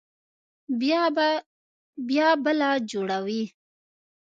بيا بله جوړوي.